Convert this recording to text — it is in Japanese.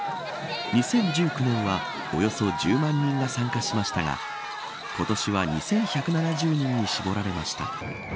２０１９年はおよそ１０万人が参加しましたが今年は２１７０人に絞られました。